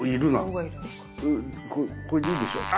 これでいいでしょう。